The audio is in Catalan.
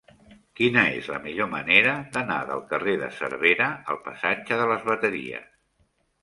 Quina és la millor manera d'anar del carrer de Cervera al passatge de les Bateries?